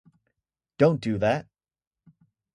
Don't do that.